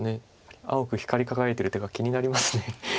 青く光り輝いてる手が気になります。